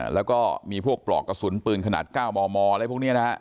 แล้วก็มีพวกปลอกกระสุนปืนขนาด๙มมอะไรพวกนี้นะฮะ